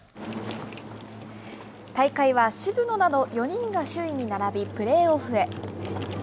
大会は渋野など、４人が首位に並び、プレーオフへ。